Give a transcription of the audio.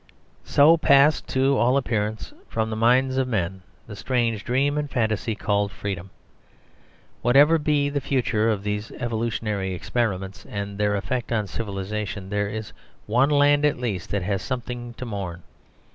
So passed, to all appearance, from the minds of men the strange dream and fantasy called freedom. Whatever be the future of these evolutionary experiments and their effect on civilisation, there is one land at least that has something to mourn.